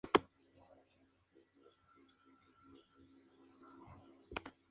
Es uno de los festivales de arte más importantes del Reino Unido.